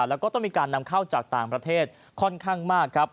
แล้วก็ต้องมีการนำเข้าจากต่างประเทศค่อนข้างมากครับ